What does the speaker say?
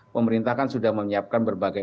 pemerintah kan sudah menyiapkan berbagai